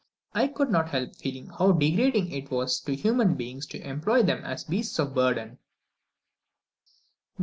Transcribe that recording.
I could not help feeling how degrading it was to human beings to employ them as beasts of burden.